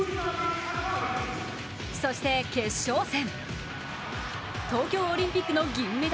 そして決勝戦。